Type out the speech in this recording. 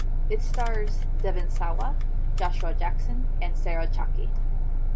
It stars Devon Sawa, Joshua Jackson and Sarah Chalke.